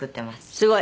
すごい。